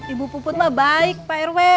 ibu puput mah baik pak rw